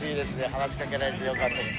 話し掛けられてよかったです。